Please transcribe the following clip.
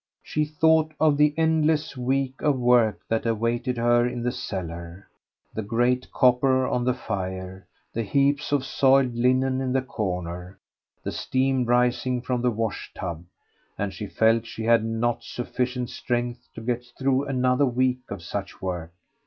She thought of the endless week of work that awaited her in the cellar, the great copper on the fire, the heaps of soiled linen in the corner, the steam rising from the wash tub, and she felt she had not sufficient strength to get through another week of such work.